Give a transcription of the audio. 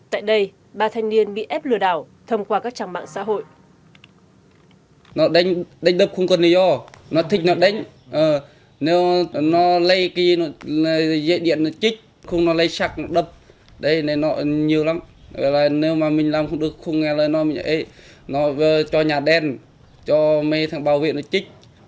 tại đây ba thanh niên bị ép lừa đảo thông qua các trạng mạng xã hội